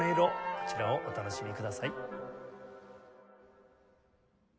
こちらをお楽しみください。